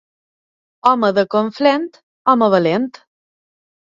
Home de Conflent, home valent.